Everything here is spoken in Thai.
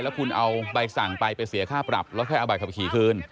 แล้วคุณเอาใบสั่งไปไปเสียค่าปรับแล้วแค่เอาใบขับขี่คืน